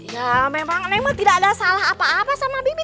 ya memang nemo tidak ada salah apa apa sama bibi